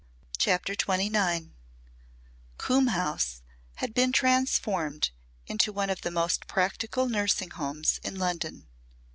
CHAPTER XXIX Coombe House had been transformed into one of the most practical nursing homes in London.